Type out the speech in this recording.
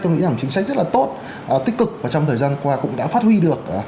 tôi nghĩ rằng chính sách rất là tốt tích cực và trong thời gian qua cũng đã phát huy được